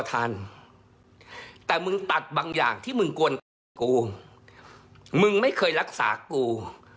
แต่มึงตัดบางอย่างที่มึงกวนตีกูมึงไม่เคยรักษากู